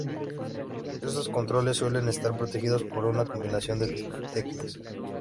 Estos controles suelen estar protegidos por una combinación de teclas.